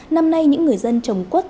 năm nay những người dân trồng quốc